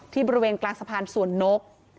บริเวณกลางสะพานสวนนก